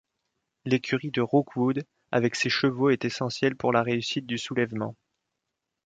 L'écurie de Rookwood avec ses chevaux est essentielle pour la réussite du soulèvement.